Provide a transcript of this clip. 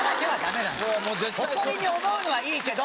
誇りに思うのはいいけど。